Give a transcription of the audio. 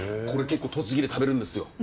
これ結構栃木で食べるんですよ。